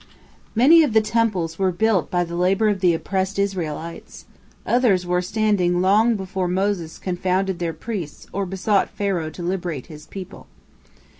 Many of the temples were built by the labour of the oppressed Israelites, others were standing long before Moses confounded their priests or besought Pharaoh to liberate his people.